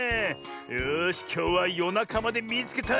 よしきょうはよなかまで「みいつけた！」